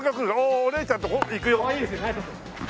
お姉ちゃんとこいくよ。